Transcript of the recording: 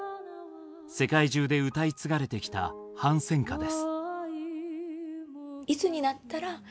世界中で歌い継がれてきた反戦歌です。